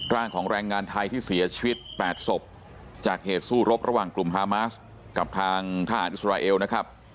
ร่างของแรงงานไทยที่เสียชีวิต๘ศพจากเหตุสู้รบระหว่างกลุ่มฮามาสกับทางทหารอิสราเอลนะครับ